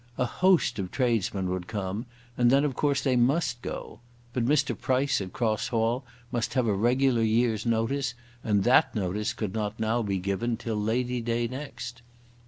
A host of tradesmen would come, and then of course they must go. But Mr. Price at Cross Hall must have a regular year's notice, and that notice could not now be given till Lady day next.